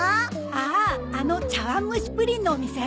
あああの茶わんむしプリンのお店？